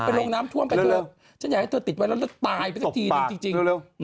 ไปโรงน้ำทวนไปเถอะฉันอยากให้เธอติดไว้แล้วตายไปกันทีนึงจริง